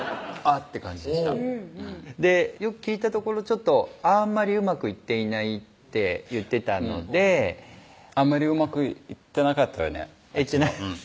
って感じでしたでよく聞いたところちょっと「あんまりうまくいっていない」って言ってたのであんまりうまくいってなかったよね